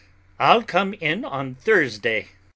I'll come in on Thursday.